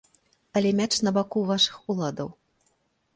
Але мяч на баку вашых уладаў.